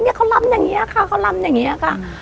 เขาลำอย่างนี้ค่ะเขาลำอย่างนี้ค่ะ